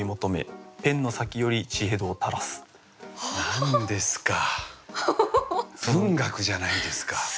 何ですか文学じゃないですか。